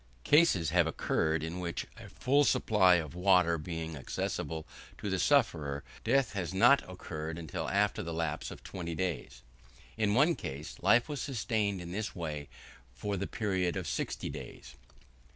Cases have occurred, in which a full supply of water being accessible to the sufferer, death has not occurred till after the lapse of twenty days. In one case, life was sustained in this way for the period of sixty days.